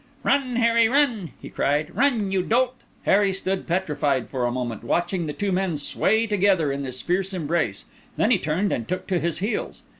"Run, Harry, run!" he cried; "run, you dolt!" Harry stood petrified for a moment, watching the two men sway together in this fierce embrace; then he turned and took to his heels.